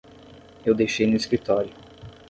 Eu deixei no escritório.